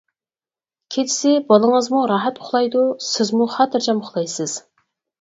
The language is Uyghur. كېچىسى بالىڭىزمۇ راھەت ئۇخلايدۇ، سىزمۇ خاتىرجەم ئۇخلايسىز.